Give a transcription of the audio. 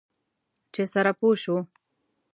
چې سره پوه شو.